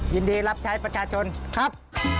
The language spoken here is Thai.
ยินดีรับใช้ประชาชนครับ